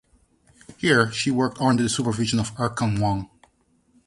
Here she worked under the supervision of Erkang Wang.